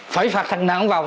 phải phạt thằng nào cũng vào